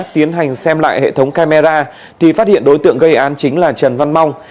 tiến hành xem lại hệ thống camera thì phát hiện đối tượng gây án chính là trần văn mong